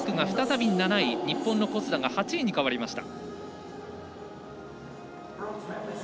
日本の小須田が８位に変わりました。